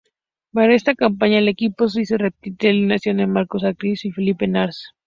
Para esta campaña, el equipo suizo repite alineación con Marcus Ericsson y Felipe Nasr.